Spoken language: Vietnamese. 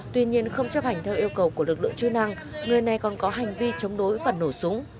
tuy nhiên không chấp hành theo yêu cầu của lực lượng chư năng người này còn có hành vi chống đối phần nổ súng